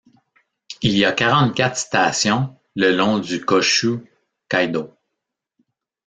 Il y a quarante-quatre stations le long du Kōshū Kaidō.